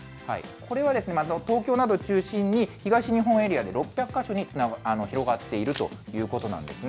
これは東京などを中心に、東日本エリアで６００か所に広がっているということなんですね。